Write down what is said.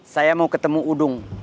saya mau ketemu udung